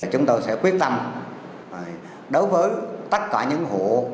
chúng tôi sẽ quyết tâm đối với tất cả những hộ